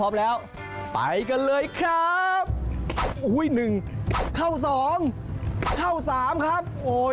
โอ้โฮดีครับคุณผู้ชม